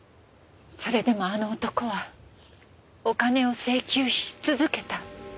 それでもあの男はお金を請求し続けた。